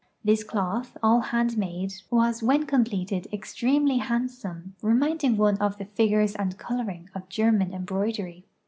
This cloth, all hand made, was when completed extremely hand some, reminding one of the figures and coloring of German em broidery.